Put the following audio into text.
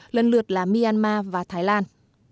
lần lượt là myanmar và thái lan